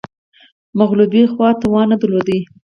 مغلوبې خوا توان نه درلود